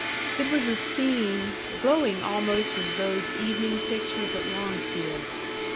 It was a scene glowing almost as those evening pictures at Longfield.